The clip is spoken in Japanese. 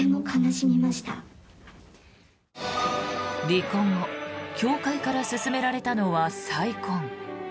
離婚後教会から勧められたのは再婚。